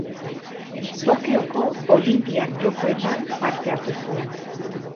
Tokioko Olinpiar Jokoetan parte hartu zuen.